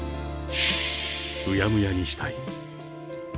うやむやにしたい。